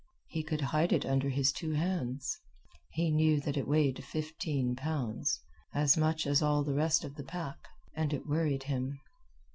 He could hide it under his two hands. He knew that it weighed fifteen pounds, as much as all the rest of the pack, and it worried him.